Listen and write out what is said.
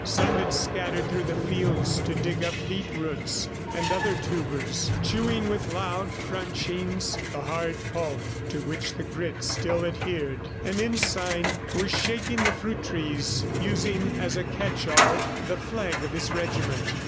Some had scattered through the fields to dig up beet roots and other tubers, chewing with loud crunchings the hard pulp to which the grit still adhered. An ensign was shaking the fruit trees using as a catch all the flag of his regiment.